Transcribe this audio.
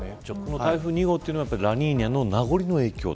台風２号はラニーニャの名残の影響と。